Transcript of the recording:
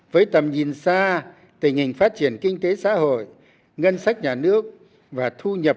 với tầm nhìn xa tình hình phát triển kinh tế xã hội ngân sách nhà nước và thu nhập